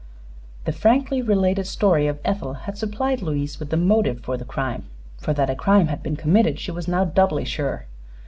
The frankly related story of Ethel had supplied Louise with the motive for the crime, for that a crime had been committed she was now doubly sure.